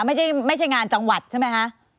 ไม่ใช่งานจังหวัดใช่ไหมคะ